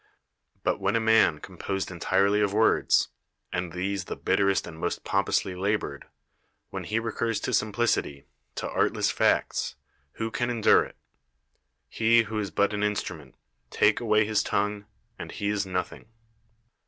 But when a man composed entirely of words, and these the bitterest and most pompously labored — when he recurs to simplicity, to artless facts, who can endure it? He who is but an instrument, take away his tongue, and he is nothing.